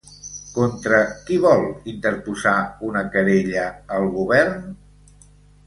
Contra qui vol interposar una querella el govern?